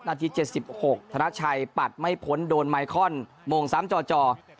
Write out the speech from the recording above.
นาที๗๖ธนาชัยปัดไม่พ้นโดนไมคอนโมง๓จ่อ